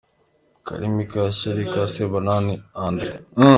Karimi ka shyari by Sebanani Andre.